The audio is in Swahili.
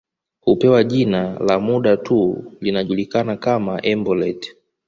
Hupewa jina la muda tu linajulikana kama embolet